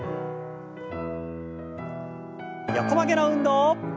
横曲げの運動。